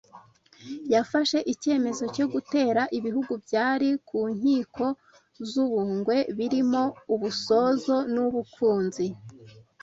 yafashe icyemezo cyo gutera ibihugu byari ku nkiko z’u Bungwe birimo u Busozo n’u Bukunzi